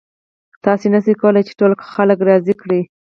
تاسې نشئ کولی چې ټول خلک راضي کړئ.